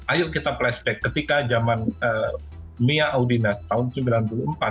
ayo kita flashback ketika zaman mia audinas tahun seribu sembilan ratus sembilan puluh empat